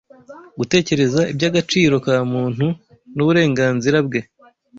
gutekereza iby’agaciro ka muntu n’uburenganzira bwe